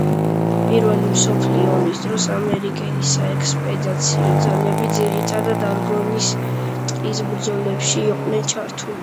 პირველი მსოფლიო ომის დროს ამერიკული საექსპედიციო ძალები ძირითად არგონის ტყის ბრძოლებში იყვნენ ჩართულნი.